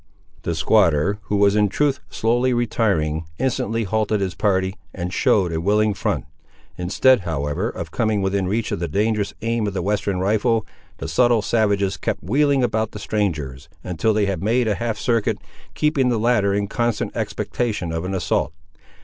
The squatter, who was in truth slowly retiring, instantly halted his party, and showed a willing front. Instead, however, of coming within reach of the dangerous aim of the western rifle, the subtle savages kept wheeling about the strangers, until they had made a half circuit, keeping the latter in constant expectation of an assault.